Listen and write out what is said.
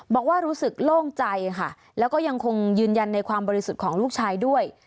บอกว่ารู้สึกโล่งใจค่ะแล้วก็ยังคงยืนยันในความบริสุทธิ์ของลูกชายด้วย